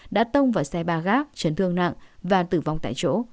đã tông vào xe ba gác chấn thương nặng và tử vong tại chỗ